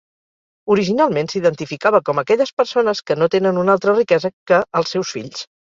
Originalment s'identificava com aquelles persones que no tenen una altra riquesa que els seus fills.